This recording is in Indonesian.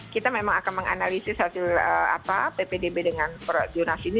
kita memang akan menganalisis hasil ppdb dengan jurnasi ini